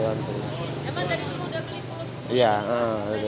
ya kan dari dulu udah beli pulut